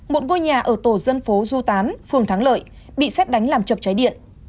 một ngôi nhà ở tổ dân phố du tán phường thắng lợi bị xét đánh làm chập cháy điện